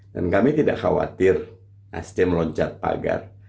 dan kami tidak khawatir nasdem loncat pagar